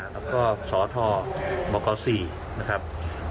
แล้วก็สทบก๔นะครับ